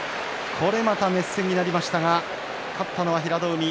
これまた熱戦になりましたが勝ったのは平戸海。